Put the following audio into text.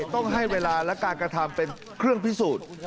ต้องให้เวลาและการกระทำเป็นเครื่องพิสูจน์